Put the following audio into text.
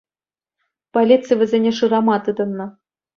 Полици вӗсене шырама тытӑннӑ.